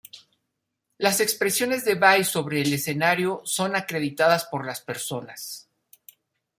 Las expresiones de Vai sobre el escenario son acreditadas por las personas.